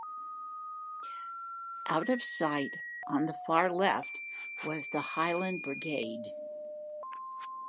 Out of sight on the far left was the Highland Brigade.